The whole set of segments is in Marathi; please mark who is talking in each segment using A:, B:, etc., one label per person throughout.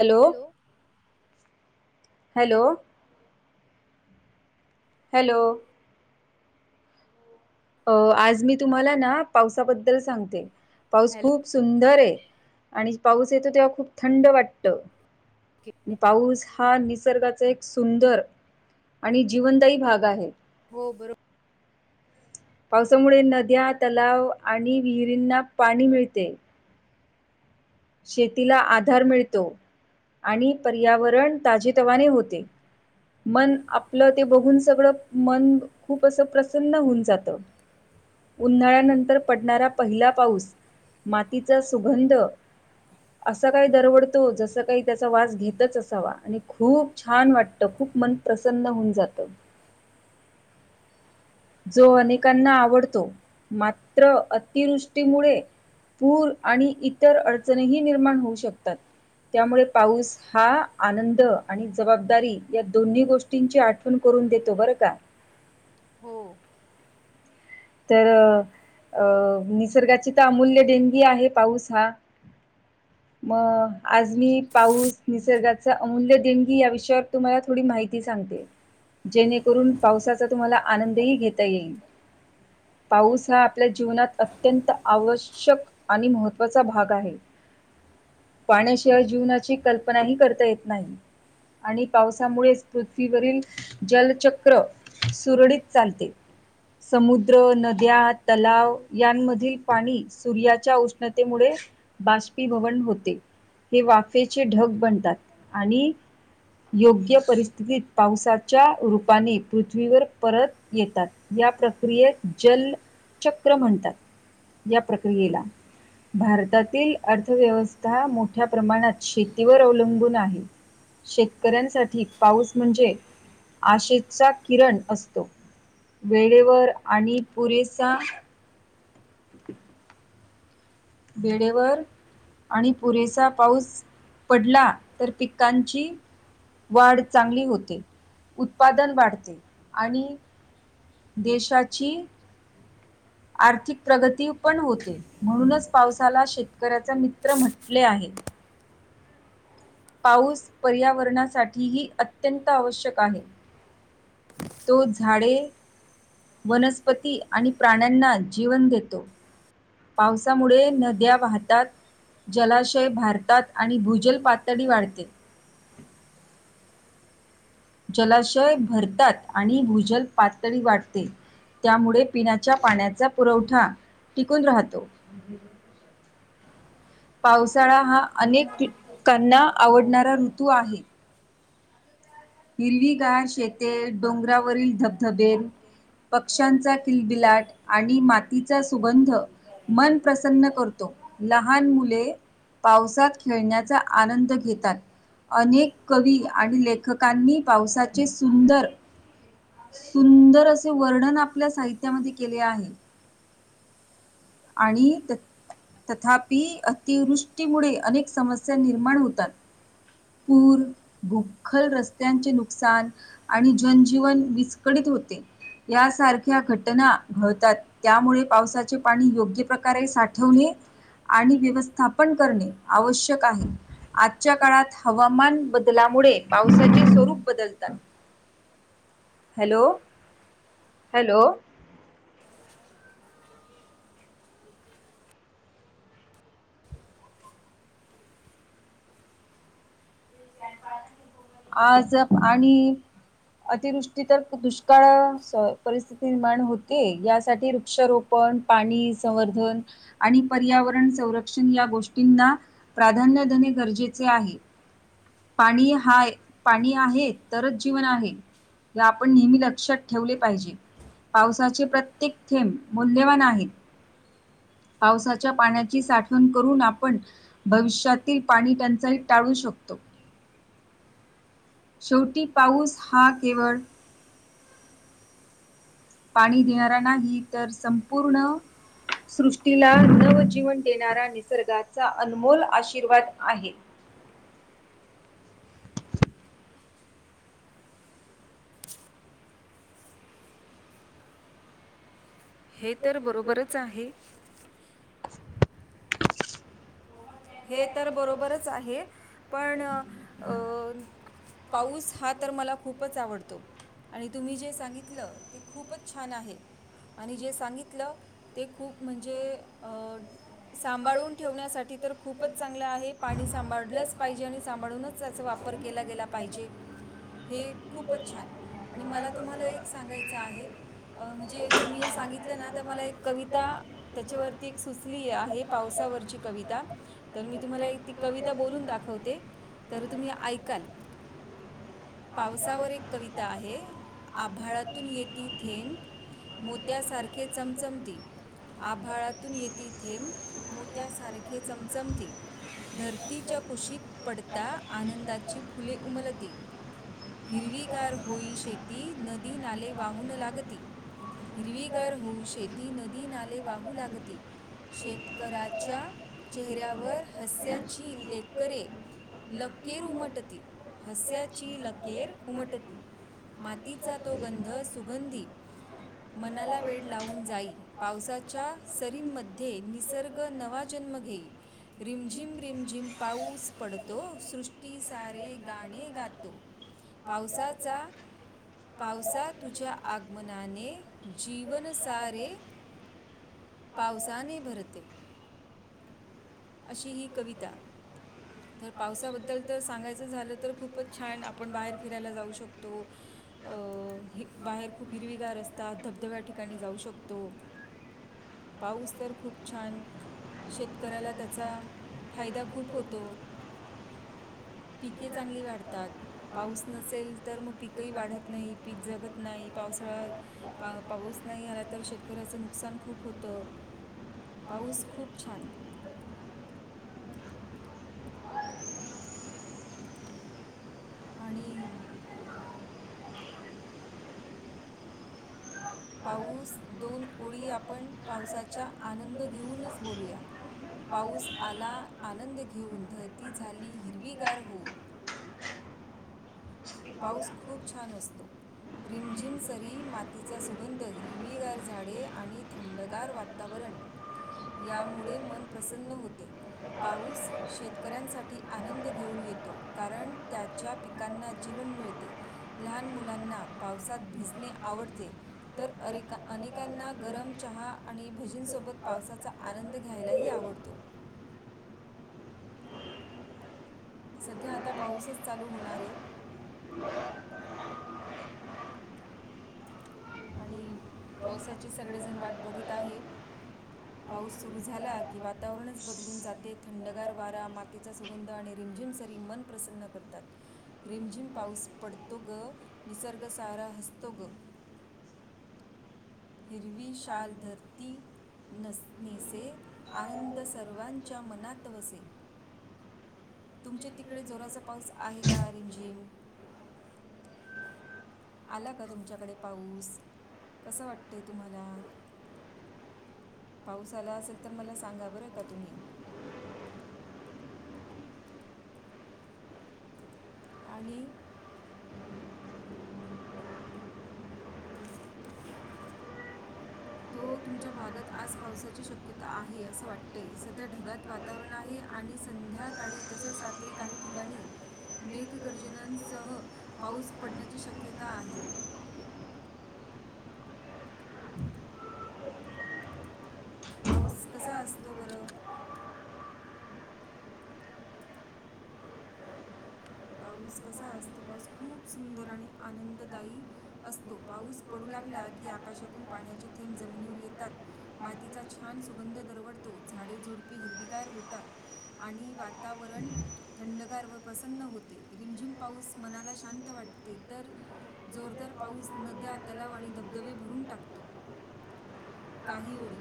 A: हॅलो! हॅलो! हॅलो! अ आज मी तुम्हाला ना पावसाबद्दल सांगते, पाऊस
B: हॅलो
A: खूप सुंदर हे. आणि पाऊस येतो तेव्हा खूप थंड वाटत.
B: ओके
A: आणि पाऊस हा निसर्गाचा एक सुंदर आणि जीवनदायी भाग आहे.
B: हो बरो
A: पावसामुळे नद्या, तलाव, आणि विहिरींना पाणी मिळते. शेतीला आधार मिळतो. आणि पर्यावरण ताजेतवाने होते. मन आपलं ते बघून सगळं मन खूप असं प्रसन्न होऊन जातं. उन्हाळ्यानंतर पडणारा पहिला पाऊस, मातीचा सुगंध, आसं काय दरवडतो जसं काही त्याचा वास घेतच असावा आणि खूप छान वाटतं, खूप मन प्रसन्न हुन जातं. जो अनेकांना आवडतो मात्र, अतिवृष्टीमुळे- पूर आणि इतर अडचणीही निर्माण होऊ शकतात, त्यामुळे पाऊस हा आनंद आणि जबाबदारी या दोन्ही गोष्टींची आठवण करून देतो बरं का?
B: हो.
A: तर अ निसर्गाची त आमूल्य देणगी आहे पाऊस हा. मग आज मी पाऊस निसर्गाचा अमूल्य देणगी या विषयावर तुम्हाला थोडी माहि ती सांगते जेणेकरून पावसाचा तुम्हाला आनंदही घेता येईल. पाऊस हा आपल्या जीवनात अत्यंत आवश्यक आणि महत्त्वाचा भाग आहे. पाण्याशिवाय जीवनाची कल्पनाही करता येत नाही. आणि पावसामुळेच पृथ्वीवरील जलचक्र सुरळीत चालते. समुद्र, नद्या, तलाव यांमधील पाणी सूर्याच्या उष्णतेमुळे बाष्पीभवन होते, हे वाफेचे ढग बनतात, आणि योग्य परिस्थितीत पावसाच्या रूपाने पृथ्वीवर परत येतात या प्रक्रियेत जल चक्र म्हणतात. या प्रक्रियेला भारतातील अर्थव्यवस्था मोठ्या प्रमाणात शेतीवर अवलंबून आहे. शेतकऱ्यांसाठी पाऊस म्हणजे आशेचा किरण असतो. वेळेवर आणि पुरेसा- [inaudible] वेडेवर आणि पुरेसा पाऊस पडला. तर पिकांची वाढ चांगली होते. उत्पादन वाढते आणि देशाची आर्थिक प्रगती पण होते. म्हणूनच, पावसाला शेतकऱ्याचे मित्र म्हटले आहे. पाऊस पर्यावरणा साठीही अत्यंत आवश्यक आहे. तो झाडे वनस्पती आणि प्राण्यांना जीवन देतो. पावसामुळे नद्या वाहतात. जलाशय भारतात आणि भूजल पातळी वाढते. जलाशय भरतात आणि भूजल पातळी वाढते. त्यामुळे, पिण्याच्या पाण्याचा पुरवठा टिकून राहतो. पावसाळा हा अनेक की कांना आवडणारा ऋतू आहे. हिरवीगार शेते, डोंगरावरील धबधबे पक्ष्यांचा किलबिलाट आणि मातीचा सुबंद मन प्रसन्न करतो. लहान मुले पावसात खेळण्याचा आनंद घेतात. अनेक कवी आणि लेखक कांनी पावसाचे सुंदर सुंदर असे वर्णन आपल्या साहित्यामध्ये केले आहे. आणि त त्या तथापि अतिवृष्टीमुळे अनेक समस्या निर्माण होतात. पूर, भूखल रस्त्यांचे नुकसान, आणि जनजीवन विस्कळीत होते. यासारख्या घटना घडतात, त्यामुळे पावसाचे पाणी योग्य प्रकारे साठवणे आणि व्यवस्थापन करणे आवश्यक आहे. आजच्या काळात हवामान बदलामुळे पावसाचे स्वरूप बदलतात. हॅलो, हॅलो, आज आणि अतिवृष्टी तर दुष्काळ स परिस्थिती निर्माण होते. यासाठी वृक्षरोप पण पाणी संवर्धन आणि पर्यावरण संरक्षण या गोष्टींना प्राधान्य देणे गरजेचे आहे. पाणी हाय पाणी आहे तरच जीवन आहे. या आपण नेहमी लक्षात ठेवले पाहिजे. पावसाचे प्रत्येक थेंब मौल्यवान आहेत. पावसाच्या पाण्याची साठवण करून आपण, भविष्यातील पाणी टंचाई टाळू शकतो. शेवटी पाऊस हा केवळ, पाणी देणारा नाही तर, संपूर्ण सृष्टीला नवजीवन देणारा निसर्गाचा अनमोल आशीर्वाद आहे.
B: हे तर बरोबरच आहे. हे तर बरोबरच आहे. पण अ पाऊस हा तर मला खूपच आवडतो. आणि तुम्ही जे सांगितलं ते खूपच छान आहे. आणि जे सांगितलं ते खूप म्हणजे अ सांभाळून ठेवण्यासाठी तर खूपच चांगलं आहे पाणी सांभाळलंच पाहिजे आणि सांभाळूनच त्याचा वापर केला गेला पाहिजे हे खूपच छान आणि मला तुम्हाला एक सांगायचं आहे अं म्हणजे तुम्ही सांगितलं ना तर मला एक कविता त्याच्यावरती एक सुचली आहे पावसावरची कविता तर मी तुम्हाला ती कविता बोलून दाखवते तर तुम्ही ऐकाल पावसावर एक कविता आहे आभाळातून येेती थेंब मोत्यासारखे चमचमती आभाळातून येते थेंब मोत्यासारखे चमचमती धरतीच्या कुशीत पडता आनंदाची फुले उमलती हिरवीगार होई शेती नदी नाले वाहून लागती हिरवीगार होऊ शेती नदी नाले वाहू लागती शेतकऱ्याच्या चेहऱ्यावर हस्याची लेकरे लकेर उमटते हस्याची लकेर उमटती मातीचा तो गंध सुगंधी मनाला वेड लावून जाई पावसाच्या सरींमध्ये निसर्ग नवा जन्म घेई रिम झिम रिम झिम पाऊस पडतो सृष्टीसारे गाणे गातो पावसाचा
A: [unintelligible]
B: पावसा तुझ्या आगमनाने जीवन सारे पावसाने भरते अशी ही कविता
A: [inaudible]
B: तर पावसाबद्दल तर सांगायचं झालं तर खूपच छान आपण बाहेर फिरायला जाऊ शकतो अं बाहेर खूप हिरवीगार असतात धबधब्या ठिकाणी जाऊ शकतो पाऊस तर खूप छान शेत कऱ्याला त्याचा फायदा खूप होतो पिके चांगली वाढतात पाऊस नसेल तर मग पीकही वाढत नाही पीक जगत नाही पावसाळा पा पाऊस नाही आला तर शेतकऱ्याचं नुकसान खूप होतं पाऊस खूप छान आणि पाऊस दोन ओळी आपण पावसाचा आनंद घेऊनच बोलूया पाऊस आला आनंद घेऊन धरती झाली हिरवीगार होऊन पाऊस खूप छान असतो रिमझिम सरी, मातीचा सुगंध, हिरवीगार झाडे आणि थंडगार वात तावरण यामुळे मन प्रसन्न होते. पाऊस शेतकऱ्यांसाठी आनंद घेऊन येतो कारण त्याच्या पि कांना जीवन मिळते, लहान मुलांना पावसात भिजणे आवडते. तर अरेका अनेकांना गरम चहा आणि भजींसोबत पावसाचा आनंद घ्यायलाही आवडतो. सध्या आता पाऊसच चालू होणार आहे.
A: [inaudible]
B: आणि पावसाची सगळेजण वाट बघत आहे
A: [inaudible]
B: पाऊस सुरू झाला की वातावरणच बदलून जाते थंडगार वारा, मातीचा सुगंध, आणि रिमझिम सरी मन प्रसन्न करतात. रिमझिम पाऊस पडतो गं, निसर्ग सारा हसतो गं. हिरवी शाल धरती नस - नेसे, आनंद सर्वांच्या मनात वसे. तुमच्या तिकडे जोराचा पाऊस आहे का रिमझिम? आला का तुमच्याकडे पाऊस, कसं वाटतंय तुम्हाला? पाऊस आला असेल तर मला सांगा बरं का तुम्ही? आणि [inaudible] तो तुमच्या भागात आज पावसाची शक्यता आहे असं वाटते सध्या ढगात वा तावरण आहे आणि संध्याकाळी तसेच रात्री काही ठिकाणी मेघगर्जनांसह, पाऊस पडण्याची शक्यता आहे. [inaudible] पाऊस कसा असतो बरं? पाऊस कसा असतो पाऊस खूप सुंदर आणि आनंददायी असतो. पाऊस पडू लागला की आकाशातून पाण्याचे थेंब जमिनीवर येतात. मातीचा छान सुगंध दरवडतो झाडे झुडपे हिरवीगार होतात. आणि वातावरण, थंडगार व प्रसन्न हो ते रिमझिम पाऊस मनाला शांत वाटते तर जोरदार पाऊस नद्या, तलाव आणि धबधबे भरून टाकतो. काही ओडी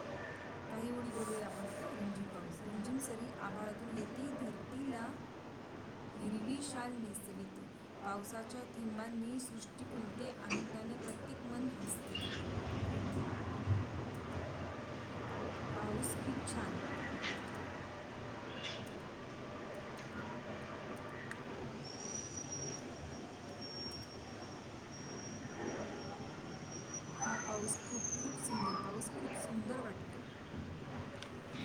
A: [inaudible]
B: काही ओडी बोलूया आपण आ का रिमझिम पाऊस रिमझिम सरी आभाळातून येेती धरतीला
A: [inaudible]
B: हिरवी शाल नेसविती. पावसाच्या थेंबांनी सृष्टी फुलते आनंदाने प्रत्येक मन हसते. पाऊस खूप छान हा पाऊस खूप खूप सुंदर पाऊस खूप सुंदर वाटतो.